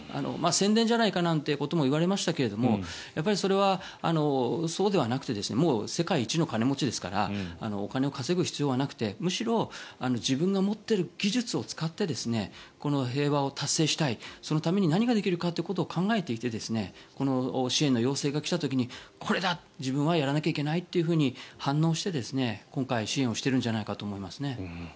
宣伝じゃないかともいわれていましたがそれはそうではなくて世界一の金持ちですからお金を稼ぐ必要はなくて、むしろ自分が持っている技術を使って平和を達成したい、そのために何ができるかということを考えていてこの支援の要請が来た時にこれだ、自分はやらなきゃいけないと反応して今回、支援しているんじゃないかと思いますね。